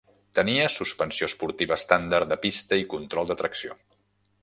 Tenia suspensió esportiva estàndard de pista i control de tracció.